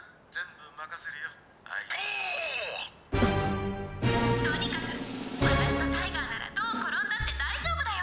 「ぶぉおお！」「とにかく私とタイガーならどう転んだって大丈夫だよ」。